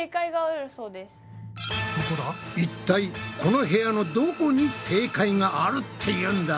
いったいこの部屋のどこに正解があるっていうんだ？